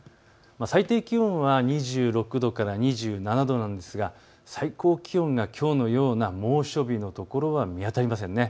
最低気温は２６度から２７度ですが最高気温がきょうのような猛暑日のところは見当たりません。